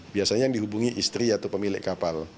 biasanya yang dihubungi istri atau pemilik kapal